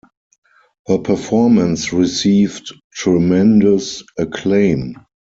Her performance received tremendous acclaim.